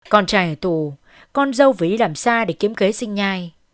con trai ở tù con dâu ví làm xa để kiếm khế sinh nhai